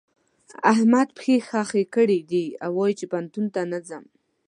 احمد پښې خښې کړې دي او وايي چې پوهنتون ته نه ځم.